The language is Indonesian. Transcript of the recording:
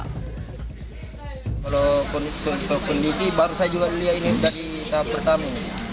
kalau kondisi baru saya juga melihat ini dari tahap pertama